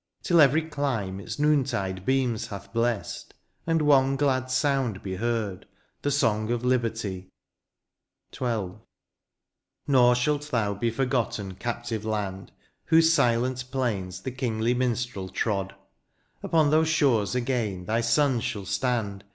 Till every clime its noontide beams hath blessed. And one glad sound be heard — the song of liberty ! THE FUTURE. 137 XII. Nor shalt thou be forgotten, captive land. Whose silent plains the kingly minstrel trod ; Upon those shores again thy sons shall stand.